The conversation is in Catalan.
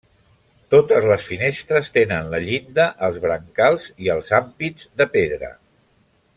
Totes les finestres tenen la llinda, els brancals i els ampits de pedra.